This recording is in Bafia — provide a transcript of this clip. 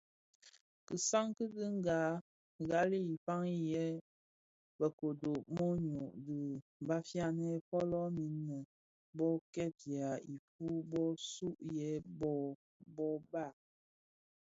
Kisam dhi kinga gbali I faňii lè Bekodo mōnyō di bafianè folomin nnë bö kpèya ifuu bō sug yè bhog bo dhad.